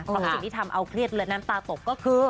เพราะสิ่งที่ทำเอาเครียดและน้ำตาตกก็คือ